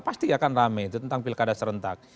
pasti akan rame itu tentang pilkada serentak